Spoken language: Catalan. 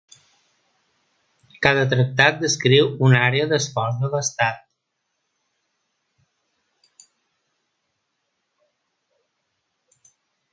Cada tractat descriu una àrea d'esforç de l'estat.